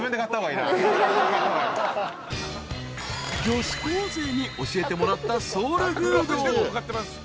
［女子高生に教えてもらったソウルフード］